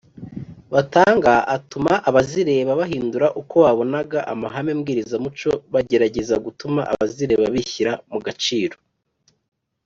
batanga atuma abazireba bahindura uko babonaga amahame mbwirizamuco Bagerageza gutuma abazireba bishyira mugaciro